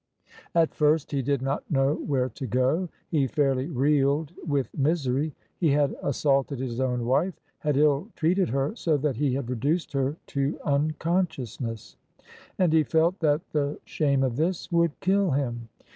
At first he did not know where to go. He fairly reeled with misery. He had assaulted his own wife — ^had ill treated her so that he had reduced her to unconsciousness; and he felt that the shame of this would kill him.